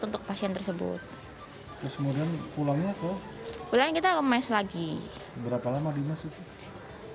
untuk pasien tersebut semudian pulangnya kok pulang kita mes lagi berapa lama dimasukkan